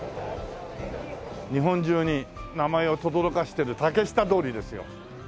日本中に名前をとどろかせてる竹下通りですよ。